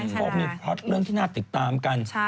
เพราะมีเพราะเรื่องที่น่าติดตามกัน